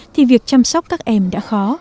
thì việc chăm sóc các em đã khó